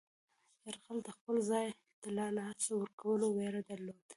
یرغلګر د خپل ځای د له لاسه ورکولو ویره درلوده.